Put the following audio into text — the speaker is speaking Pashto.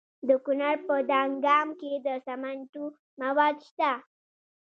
د کونړ په دانګام کې د سمنټو مواد شته.